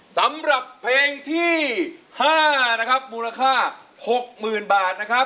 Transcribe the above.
สำหรับเพลงที่๕เลยมูลค่า๖๐๐๐๐บาท